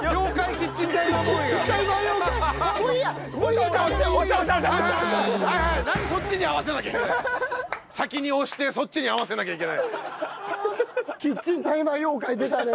キッチンタイマー妖怪出たね